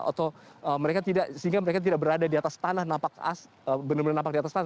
atau sehingga mereka tidak berada di atas tanah benar benar napak di atas tanah